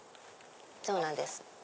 そうなんです。